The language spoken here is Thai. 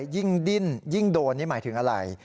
ยิ่งดิ้นยิ่งโดนนี่หมายถึงอะไร